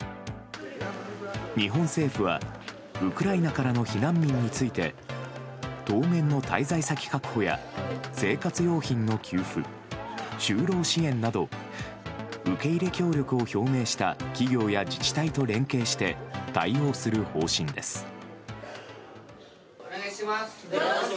日本政府はウクライナからの避難民について当面の滞在先確保や生活用品の給付就労支援など受け入れ協力を表明した企業や自治体と連携して対応する方針です。